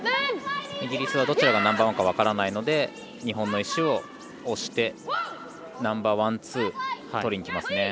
イギリスはどちらがナンバーワンか分からないので日本の石を押してナンバーワン、ツーとりにいきます。